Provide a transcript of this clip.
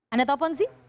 anda tahu ponzi